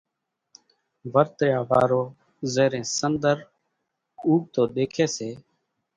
ورت ريا وارو زيرين سنۮر اُوڳتو ۮيکي سي،